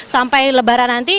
sampai lebaran nanti